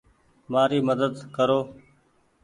مآري مدد ڪرو ۔